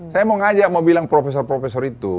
saya mau ngajak mau bilang profesor profesor itu